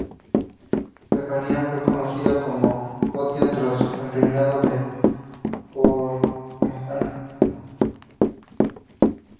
Septimania fue conocida como Gothia tras el reinado de Carlomagno.